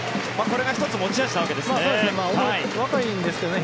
これが１つ持ち味なわけですね。